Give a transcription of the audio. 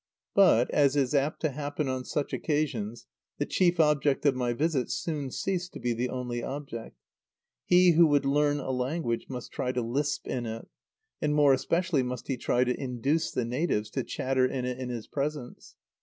But, as is apt to happen on such occasions, the chief object of my visit soon ceased to be the only object. He who would learn a language must try to lisp in it, and more especially must he try to induce the natives to chatter in it in his presence.